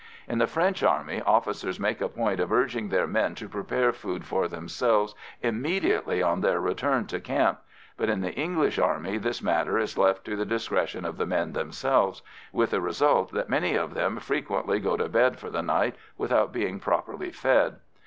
In the French Army, officers make a point of urging their men to prepare food for themselves immediately on their return to camp, but in the English Army this matter is left to the discretion of the men themselves, with the result that some of them frequently go to bed for the night without being properly fed.